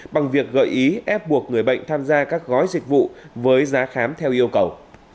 bằng việc gợi ý ép buộc người bệnh tham gia các gói dịch vụ với giá khám theo yêu cầu